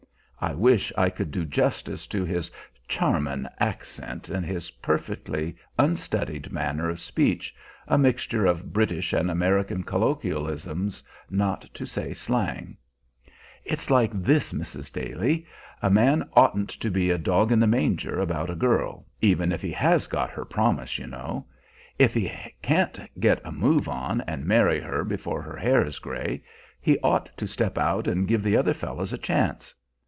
I wish I could do justice to his "charmin'" accent and his perfectly unstudied manner of speech, a mixture of British and American colloquialisms, not to say slang. "It's like this, Mrs. Daly. A man oughtn't to be a dog in the manger about a girl, even if he has got her promise, you know. If he can't get a move on and marry her before her hair is gray, he ought to step out and give the other fellows a chance.